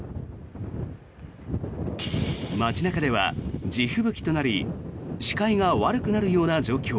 街中では地吹雪となり視界が悪くなるような状況。